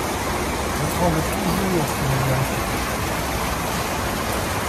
Je tremble toujours qu’il ne lui arrive quelque chose…